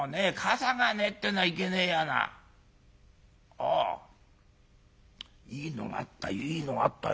ああいいのがあったよいいのがあったよ。